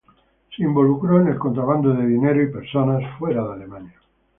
Se involucró en el contrabando de dinero y personas fuera de Alemania.